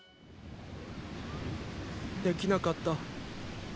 できなかった。